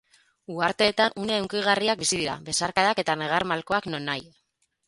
Uharteetan une hunkigarriak bizi dira, besarkadak eta negar malkoak nonahi.